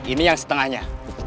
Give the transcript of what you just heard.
ini yang setengahnya